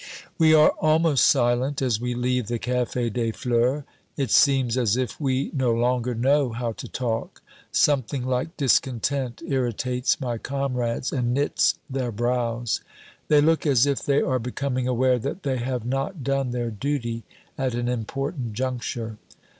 We are almost silent as we leave the Cafe des Fleurs. It seems as if we no longer know how to talk. Something like discontent irritates my comrades and knits their brows. They look as if they are becoming aware that they have not done their duty at an important juncture.